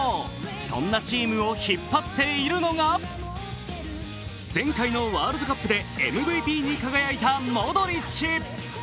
そんなチームを引っ張っているのが前回のワールドカップでＭＶＰに輝いたモドリッチ。